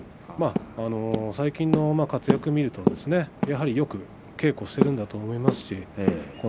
最近の活躍を見るとやはりよく稽古をしてるんだと思います。